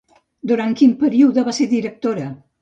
Durant quin període va ser directora?